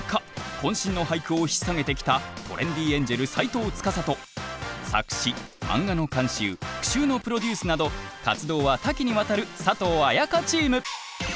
こん身の俳句をひっ提げてきたトレンディエンジェル斎藤司と作詞漫画の監修句集のプロデュースなど活動は多岐にわたる佐藤文香チーム。